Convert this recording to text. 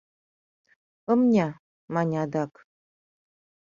«Ымня, — мане адак.